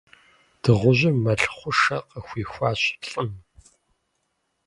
Дыгъужьым мэл хъушэ къыхуихуащ лӏым.